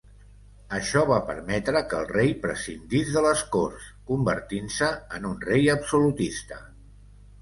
Això va permetre que el rei prescindís de les Corts, convertint-se en un rei absolutista.